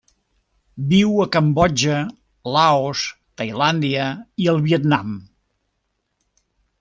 Viu a Cambodja, Laos, Tailàndia i el Vietnam.